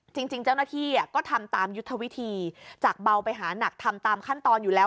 จริงเจ้าหน้าที่ก็ทำตามยุทธวิธีจากเบาไปหานักทำตามขั้นตอนอยู่แล้ว